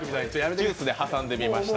ジュースで挟んでみました。